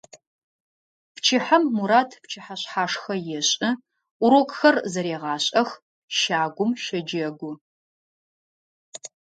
Пчыхьэм Мурат пчыхьэшъхьашхэ ешӏы, урокхэр зэрегъашӏэх, щагум щэджэгу.